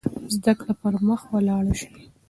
زده کړه به پرمخ ولاړه شي.